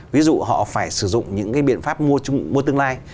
ví dụ họ phải sử dụng những cái biện pháp mua tương lai